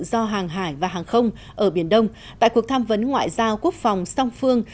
các nước đã được tham dự do hàng hải và hàng không ở biển đông tại cuộc tham vấn ngoại giao quốc phòng song phương